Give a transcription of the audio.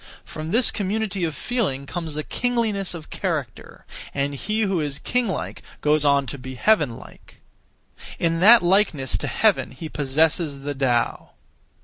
From this community of feeling comes a kingliness of character; and he who is king like goes on to be heaven like. In that likeness to heaven he possesses the Tao.